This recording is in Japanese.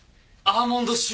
アーモンド臭！？